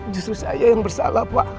justru saya yang bersalah pak ya pak